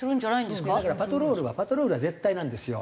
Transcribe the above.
だからパトロールはパトロールは絶対なんですよ。